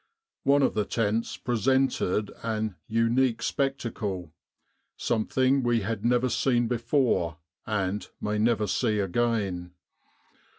One of the tents presented an unique spectacle something we had never seen be fore and may never see again.